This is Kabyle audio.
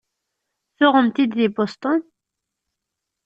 Tuɣemt-t-id deg Boston?